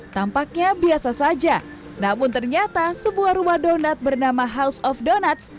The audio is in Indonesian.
tampaknya biasa saja namun ternyata sebuah rumah donat bernama house of donats